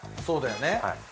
そうだよね。